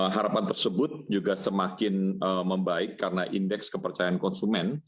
harapan tersebut juga semakin membaik karena indeks kepercayaan konsumen